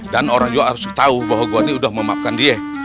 dan orang juga harus tau bahwa gua ini udah memaafkan dia